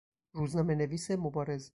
روزنامه نویس مبارز